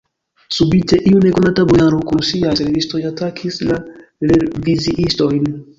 Subite iu nekonata bojaro kun siaj servistoj atakis la reviziistojn.